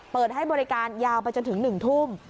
เปิดให้บริการยาวไปจนถึง๑ทุ่ม